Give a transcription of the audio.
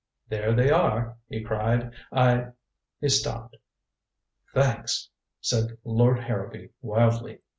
"There they are!" he cried. "I " He stopped. "Thanks," said Lord Harrowby wildly.